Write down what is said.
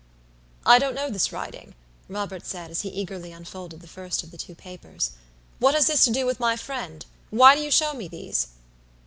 "I don't know this writing," Robert said, as he eagerly unfolded the first of the two papers. "What has this to do with my friend? Why do you show me these?"